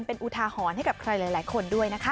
เป็นอุทาหรณ์ให้กับใครหลายคนด้วยนะคะ